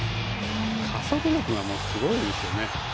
加速力がすごいですよね。